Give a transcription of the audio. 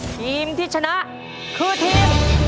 ทีมที่ชนะคือทีม